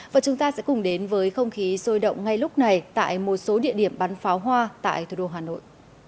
và chúng ta sẽ cùng đến với không khí sôi động ngay lúc này tại một số địa điểm bắn pháo hoa tại thủ đô hà nội